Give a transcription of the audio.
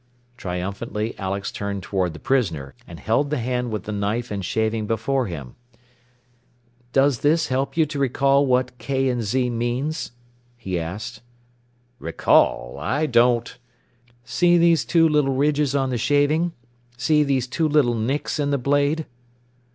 Triumphantly Alex turned toward the prisoner, and held the hand with the knife and shaving before him. "Does this help you to recall what K. & Z. means?" he asked. "Recall? I don't " "See these two little ridges on the shaving? See these two little nicks in the blade?"